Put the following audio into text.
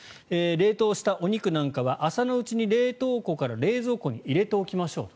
冷凍したお肉なんかは朝のうちに冷凍庫から冷蔵庫に入れておきましょう。